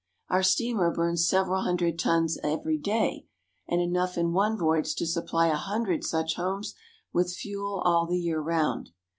Our steamer burns several hundred tons every day, and enough in one voyage to supply a hundred such homes with fuel all the year round.